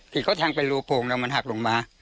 ที่เขาแทงเป็นรูโพงแล้วมันหักลงมา